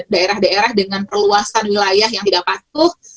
daerah daerah dengan perluasan wilayah yang tidak patuh